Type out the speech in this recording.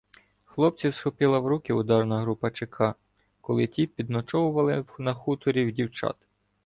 Хлопців схопила в руки ударна група ЧК, коли ті підночовували на хуторі в дівчат.